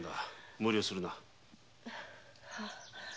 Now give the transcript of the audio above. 無理をするな。